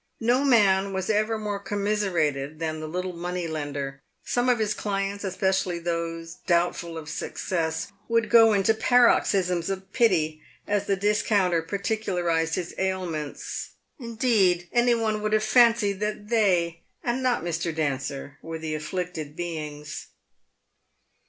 No man was ever more commiserated than the little money lender. Some of his clients — especially those doubtful of suc cess — would go into paroxysms of pity as the discounter particu larised his ailments; indeed, any one would have fancied that they, and not Mr. Dancer, were the afflicted beings.